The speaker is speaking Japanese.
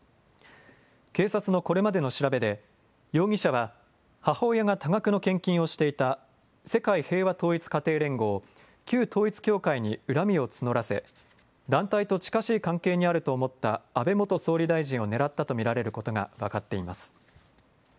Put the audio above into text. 警察のこれまでの調べで容疑者は母親が多額の献金をしていた世界平和統一家庭連合、旧統一教会に恨みを募らせ団体と近しい関係にあると思った安倍元総理大臣を狙ったと見られることが分かっています。